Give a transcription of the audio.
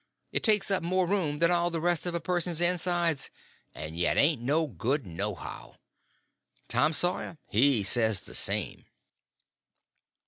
It takes up more room than all the rest of a person's insides, and yet ain't no good, nohow. Tom Sawyer he says the same.